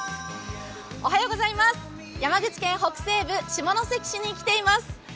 山口県北西部、下関市に来ています。